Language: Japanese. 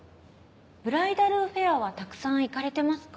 ブライダルフェアはたくさん行かれてますか？